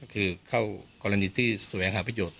คือเข้ากรณีที่แสวงหาประโยชน